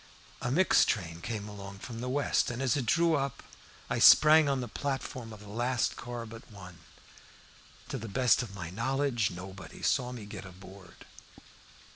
A mixed train came along from the west, and as it drew up I sprang on the platform of the last car but one. To the best of my knowledge nobody saw me get aboard.